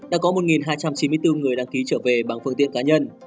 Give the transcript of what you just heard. đã có một hai trăm chín mươi bốn người đăng ký trở về bằng phương tiện cá nhân